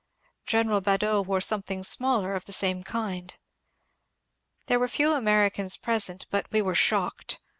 General Badeau wore something smaller of the same kind. There were few Americans present, but we were shocked.